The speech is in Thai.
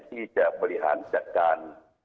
ที่จะบริหารจัดการ